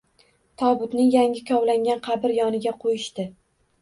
Tobutni yangi kovlangan qabr yoniga qoʻyishdi.